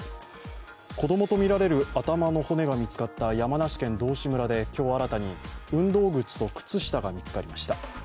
子供とみられる頭の骨が見つかった山梨県道志村で今日新たに、運動靴と靴下が見つかりました。